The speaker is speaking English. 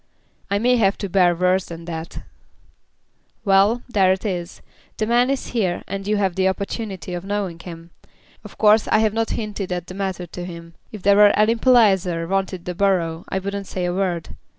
"I may have to bear worse even than that." "Well; there it is. The man is here and you have the opportunity of knowing him. Of course I have not hinted at the matter to him. If there were any Palliser wanted the borough I wouldn't say a word.